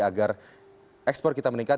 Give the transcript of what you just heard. agar ekspor kita meningkat